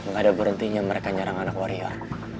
gak ada berhentinya mereka nyarang anak warrior